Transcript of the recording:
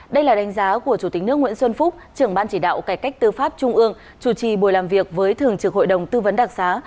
đây là đánh giá của chủ tịch nước nguyễn xuân phúc trưởng ban chỉ đạo cải cách tư pháp trung ương chủ trì buổi làm việc với thường trực hội đồng tư vấn đặc xá